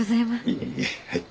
いえいえはい。